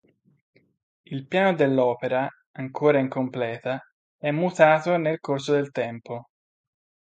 Il piano dell'opera, ancora incompleta, è mutato nel corso del tempo.